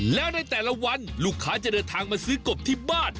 แล้วในแต่ละวันลูกค้าจะเดินทางมาซื้อกบที่บ้าน